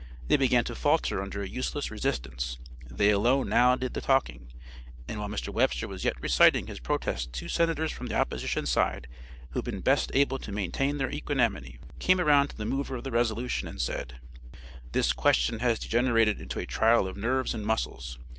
They began to falter under a useless resistance; they alone now did the talking, and while Mr. Webster was yet reciting his protest two Senators from the opposition side who had been best able to maintain their equanimity, came around to the mover of the resolution and said: 'This question has degenerated into a trial of nerves and muscles.